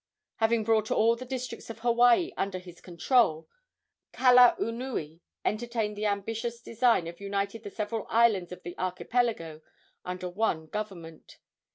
Having brought all the districts of Hawaii under his control, Kalaunui entertained the ambitious design of uniting the several islands of the archipelago under one government.